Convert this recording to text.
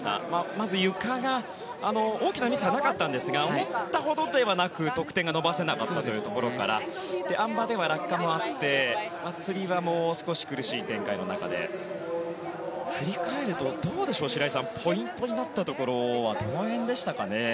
まずゆかが大きなミスはなかったんですが思ったほどではなく得点が伸ばせなかったところからあん馬では落下もあってつり輪も少し苦しい展開の中で振り返ると、白井さんポイントになったところはどの辺でしたかね。